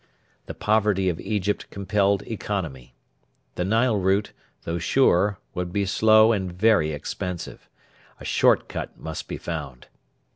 The poverty of Egypt compelled economy. The Nile route, though sure, would be slow and very expensive. A short cut must be found.